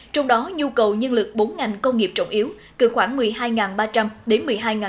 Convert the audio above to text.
trong đó nhu cầu nhân lực bốn ngành công nghiệp trọng yếu cần khoảng một mươi hai ba trăm linh đến một mươi hai năm trăm linh